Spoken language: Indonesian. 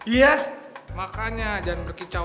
iya karena kamu yang paling berkicau